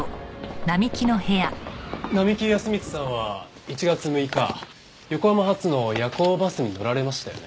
並木安光さんは１月６日横浜発の夜行バスに乗られましたよね？